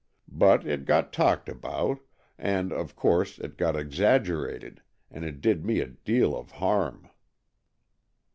But it got talked about, and, of course, it got exaggerated, and it did me a deal of harm."